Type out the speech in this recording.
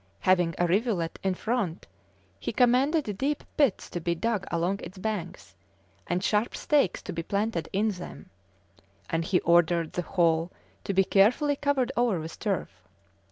Having a rivulet in front, he commanded deep pits to be dug along its banks, and sharp stakes to be planted in them; and he ordered the whole to be carefully covered over with turf.